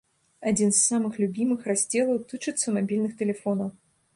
Адзін з самых любімых раздзелаў тычыцца мабільных тэлефонаў.